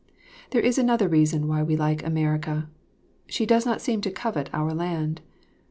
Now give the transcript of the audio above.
There is another reason why we like America: she does not seem to covet our land.